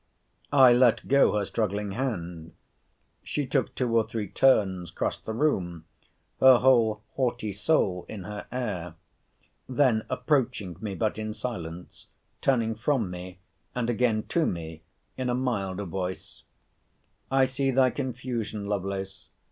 I let go her struggling hand. She took two or three turns cross the room, her whole haughty soul in her air. Then approaching me, but in silence, turning from me, and again to me, in a milder voice—I see thy confusion, Lovelace.